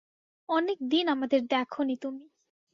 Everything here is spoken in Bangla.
অনেকদিন আমাদের দেখোনি তুমি।